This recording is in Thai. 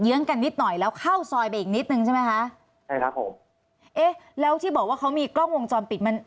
ื้องกันนิดหน่อยแล้วเข้าซอยไปอีกนิดนึงใช่ไหมคะใช่ครับผมเอ๊ะแล้วที่บอกว่าเขามีกล้องวงจรปิดมัน